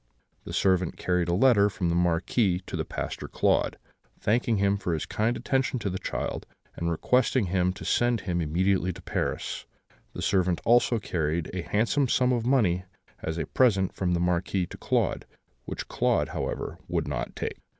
The servant carried a letter from the Marquis to the Pastor Claude, thanking him for his kind attention to the child, and requesting him to send him immediately to Paris. The servant also carried a handsome sum of money as a present from the Marquis to Claude; which Claude, however, would not take.